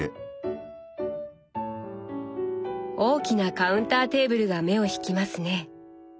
大きなカウンターテーブルが目を引きますね。